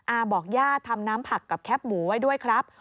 บอกย่าทำน้ำผักกับแคปหมูไว้ด้วยครับ